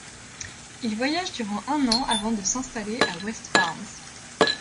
Il voyage durant un an avant de s’installer à West Farms.